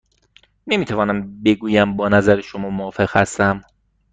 نمی توانم بگویم با نظر شما موافق هستم.